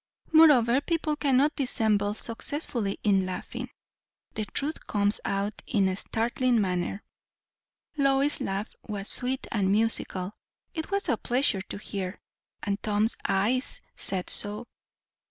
Moreover, people cannot dissemble successfully in laughing; the truth comes out in a startling manner. Lois's laugh was sweet and musical; it was a pleasure to hear. And Tom's eyes said so.